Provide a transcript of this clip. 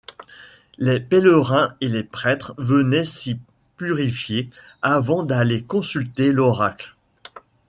Les pèlerins et les prêtres venaient s'y purifier avant d'aller consulter l'oracle.